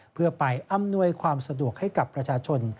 เพื่อไปอำนวยความสะดวกให้กับประชาชน